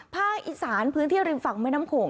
ภาคอีสานพื้นที่ริมฝั่งแม่น้ำโขง